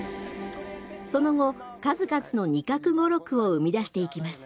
その後数々の仁鶴語録を生み出していきます。